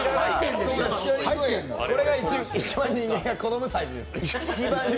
これが一番人間が好むサイズですね。